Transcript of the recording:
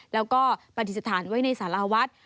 แล้วก็ปฏิสถานไว้ในสารวัฒน์